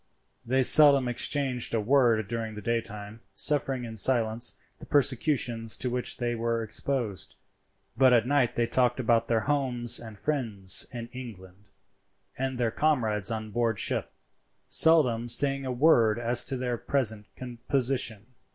They seldom exchanged a word during the daytime, suffering in silence the persecutions to which they were exposed; but at night they talked about their homes and friends in England, and their comrades on board ship, seldom saying a word as to their present position.